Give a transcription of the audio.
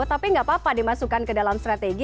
tapi nggak apa apa dimasukkan ke dalam strategi